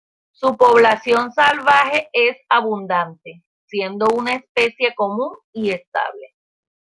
Su población salvaje es abundante, siendo una especie común y estable.